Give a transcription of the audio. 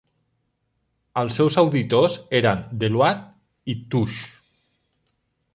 Els seus auditors eren Deloitte i Touche.